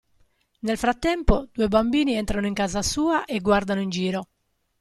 Nel frattempo, due bambini entrano in casa sua e guardano in giro.